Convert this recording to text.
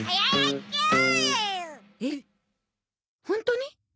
ホントに？